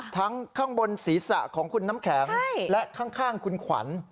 ข้างบนศีรษะของคุณน้ำแข็งและข้างคุณขวัญ